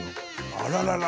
あらららら。